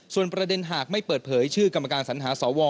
ส่วนประเด็นหากไม่เปิดเผยชื่อกรรมการสัญหาสว